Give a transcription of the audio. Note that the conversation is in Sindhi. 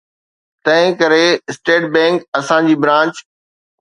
تنهنڪري اسٽيٽ بئنڪ اسان جي برانچ